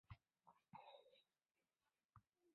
同治十年任直隶布政使。